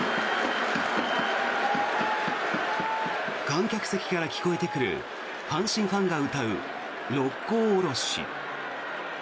観客席から聞こえてくる阪神ファンが歌う「六甲おろし」。